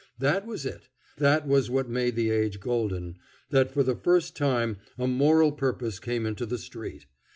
That was it; that was what made the age golden, that for the first time a moral purpose came into the street.